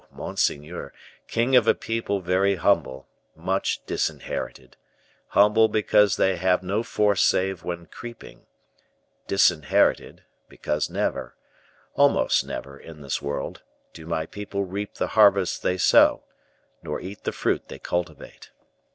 monseigneur, king of a people very humble, much disinherited; humble because they have no force save when creeping; disinherited, because never, almost never in this world, do my people reap the harvest they sow, nor eat the fruit they cultivate.